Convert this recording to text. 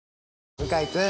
向井君